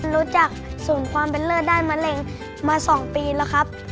รู้จักศูนย์ความเป็นเลิศด้านมะเร็งมา๒ปีแล้วครับ